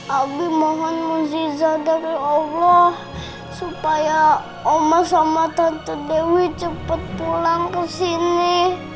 abi mohon muziza dari allah supaya omang sama tante dewi cepat pulang ke sini